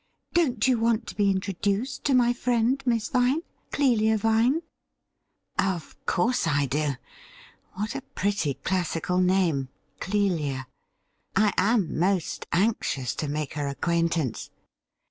Don't you want to be introduced to my friend, Miss Vine — Clelia Vine ?'' Of course I do. What a pretty classical name — Clelia ! I am most anxious to make her acquaintance.'